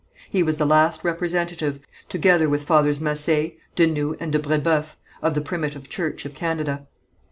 He was the last representative, together with Fathers Massé, de Noüe and de Brébeuf of the primitive church of Canada.